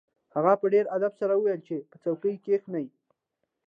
هغه په ډیر ادب سره وویل چې په څوکۍ کښیني